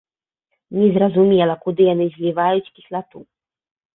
Не зразумела, куды яны зліваюць кіслату.